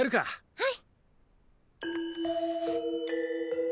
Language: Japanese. はい！